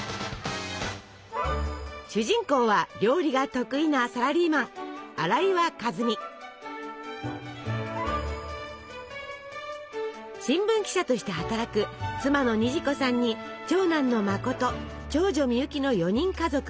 主人公は料理が得意なサラリーマン新聞記者として働く妻の虹子さんに長男のまこと長女みゆきの４人家族。